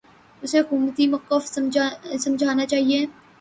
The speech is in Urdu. اسے حکومتی موقف سمجھنا چاہیے۔